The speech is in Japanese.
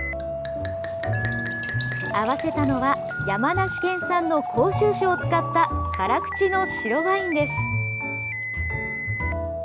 合わせたのは山梨県産の甲州種を使った辛口の白ワインです。